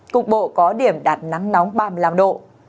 cục bộ có điểm đạt nắng nóng ba mươi năm độ